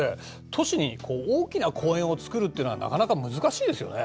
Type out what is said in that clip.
都市に大きな公園を作るっていうのはなかなか難しいですよね？